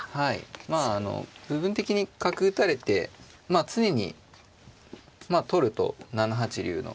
まああの部分的に角打たれてまあ常に取ると７八竜の。